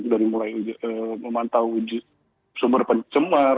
dari mulai memantau sumber pencemar